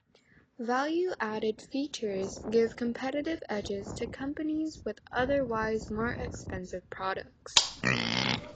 Value-added features give competitive edges to companies with otherwise more expensive products.